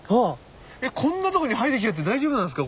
えっこんなとこに生えてきちゃって大丈夫なんですか？